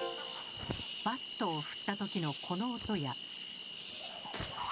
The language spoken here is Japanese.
バットを振った時のこの音や。